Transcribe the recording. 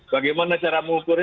bagaimana cara mengukurnya